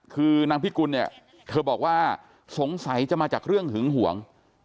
คือนางพิกุลเนี่ยเธอบอกว่าสงสัยจะมาจากเรื่องหึงหวง